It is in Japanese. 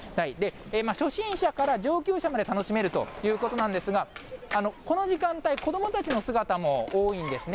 初心者から上級者まで楽しめるということなんですが、この時間帯、子どもたちの姿も多いんですね。